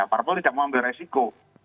jadi kalau mereka tidak mau ambil resiko